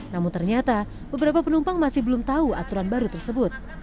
namun ternyata beberapa penumpang masih belum tahu aturan baru tersebut